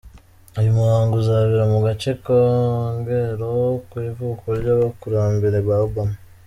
Uyu muhango uzabera mu gace Kogelo ku ivuko ry’abakurambere ba Obama.